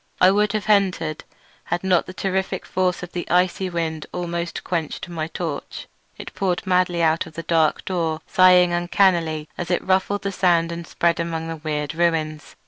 I would have entered had not the terrific force of the icy wind almost quenched my torch. It poured madly out of the dark door, sighing uncannily as it ruffled the sand and spread about the weird ruins.